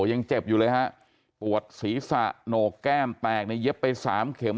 ยังเจ็บอยู่เลยฮะปวดศีรษะโหนกแก้มแตกในเย็บไปสามเข็ม